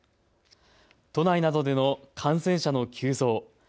都内などでの感染者の急増。